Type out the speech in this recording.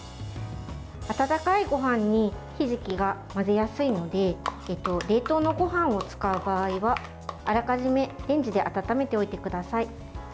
温かいごはんにひじきが混ぜやすいので冷凍のごはんを使う場合はあらかじめレンジで温めておいてください。